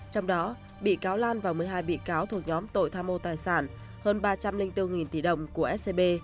trong đó bị cáo lan và một mươi hai bị cáo thuộc nhóm tội tham mô tài sản hơn ba trăm linh bốn tỷ đồng của scb